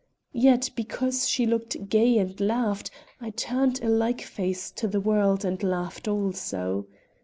Yet, because she looked gay and laughed, I turned a like face to the world and laughed also.